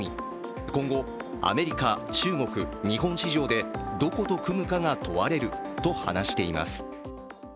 今後、アメリカ、中国、日本市場でどこと組むかが問われると話しています。